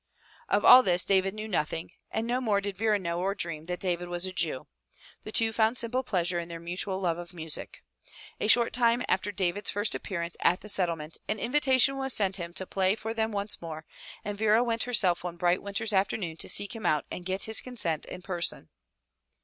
Of all this David knew nothing, and no more did Vera know or dream that David was a Jew. The two found simple pleasure in their mutual love of music. A short time after David's first appearance at the Settlement an invitation was sent him to play for them once more, and Vera went herself one bright winter's afternoon to seek him out and get his consent in person.